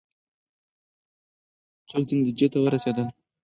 څوک دې نتیجې ته ورسېدل؟